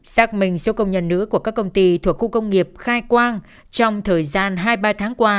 xác minh số công nhân nữ của các công ty thuộc khu công nghiệp khai quang trong thời gian hai ba tháng qua